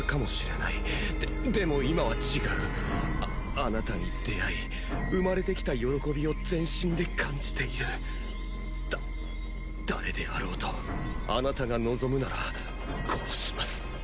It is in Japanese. あなたに出会い生まれてきた喜びを全身で感じているだ誰であろうとあなたが望むなら殺します